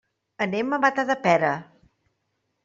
Anem a Matadepera.